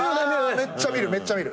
めっちゃ見るめっちゃ見る。